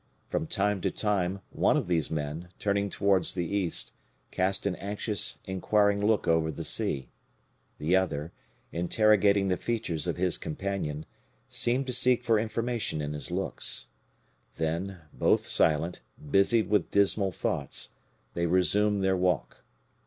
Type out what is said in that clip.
From time to time, one of these men, turning towards the east, cast an anxious, inquiring look over the sea. The other, interrogating the features of his companion, seemed to seek for information in his looks. Then, both silent, busied with dismal thoughts, they resumed their walk.